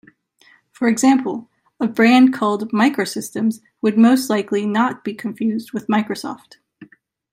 For example, a brand called "Microsystems" would most likely not be confused with Microsoft.